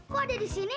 kok ada disini